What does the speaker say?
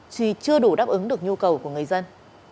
chưa đủ đáp ứng được nhu cầu của người dân